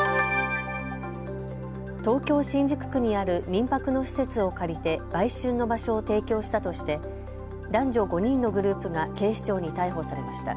東京新宿区にある民泊の施設を借りて売春の場所を提供したとして男女５人のグループが警視庁に逮捕されました。